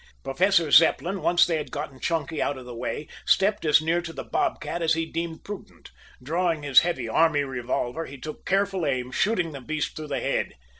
Professor Zepplin, once they had gotten Chunky out of the way, stepped as near to the bob cat as he deemed prudent. Drawing his heavy army revolver, he took careful aim, shooting the beast through the head.